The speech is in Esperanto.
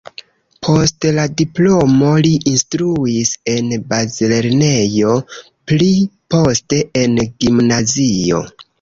Post la diplomo li instruis en bazlernejo, pli poste en gimnazio.